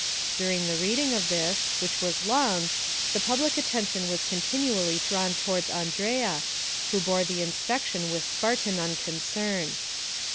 During the reading of this, which was long, the public attention was continually drawn towards Andrea, who bore the inspection with Spartan unconcern.